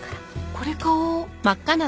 これ買おう。